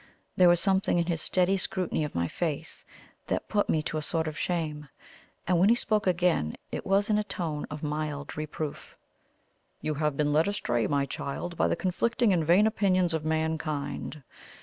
There was something in his steady scrutiny of my face that put me to a sort of shame, and when he spoke again it was in a tone of mild reproof. "You have been led astray, my child, by the conflicting and vain opinions of mankind.